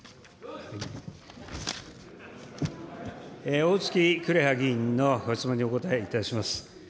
おおつき紅葉議員のご質問にお答えいたします。